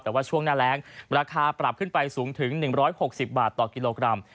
แต่ว่าช่วงหน้าแรงราคาปรับขึ้นไปสูงถึง๑๖๐บาทต่อกิโลกรัม